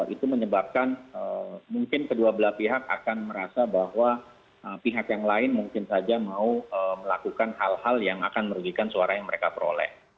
itu menyebabkan mungkin kedua belah pihak akan merasa bahwa pihak yang lain mungkin saja mau melakukan hal hal yang akan merugikan suara yang mereka peroleh